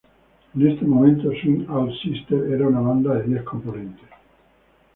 En este momento Swing Out Sister era una banda de diez componentes.